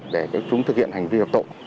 để chúng thực hiện hành vi hợp tộ